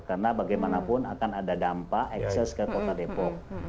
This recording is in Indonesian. karena bagaimanapun akan ada dampak ekses ke kota depok